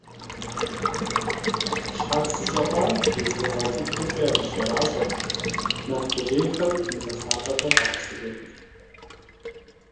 Щхьэц зэщӏэкъуар удз гъэгъа цӀыкӀухэмкӀэ ягъэщӀэращӀэрт, нэхъ къулейхэм мывэ лъапӀэхэр къагъэсэбэпырт.